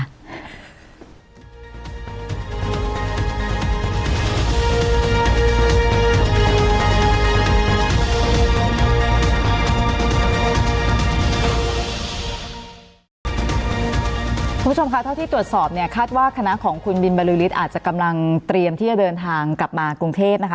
คุณผู้ชมคะเท่าที่ตรวจสอบเนี่ยคาดว่าคณะของคุณบินบริษฐ์อาจจะกำลังเตรียมที่จะเดินทางกลับมากรุงเทพนะคะ